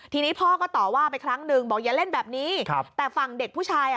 ทีนี้พ่อก็ต่อว่าไปครั้งหนึ่งบอกอย่าเล่นแบบนี้ครับแต่ฝั่งเด็กผู้ชายอ่ะ